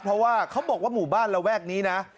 เพราะว่าเขาบอกว่าหมู่บ้านระแวกนี้นะ